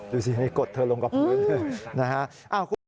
ดูสิให้กดเธอลงกับมือด้วยนะครับ